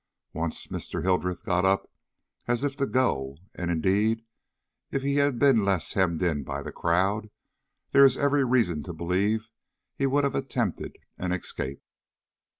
Once Mr. Hildreth got up as if to go, and, indeed, if he had been less hemmed in by the crowd, there is every reason to believe he would have attempted an escape."